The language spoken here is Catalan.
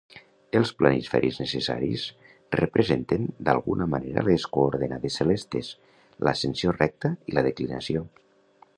Els planisferis necessaris representen d'alguna manera les coordenades celestes: l'ascensió recta i la declinació.